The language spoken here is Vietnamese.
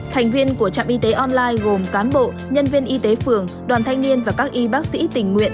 thành viên của trạm y tế online gồm cán bộ nhân viên y tế phường đoàn thanh niên và các y bác sĩ tình nguyện